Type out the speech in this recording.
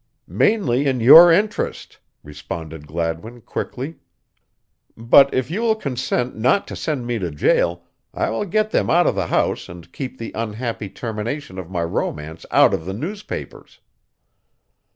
"Mainly in your interest," responded Gladwin quickly, "but if you will consent not to send me to jail I will get them out of the house and keep the unhappy termination of my romance out of the newspapers."